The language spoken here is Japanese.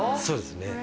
そうですね。